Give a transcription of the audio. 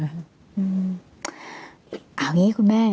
เอาอย่างนี้คุณแม่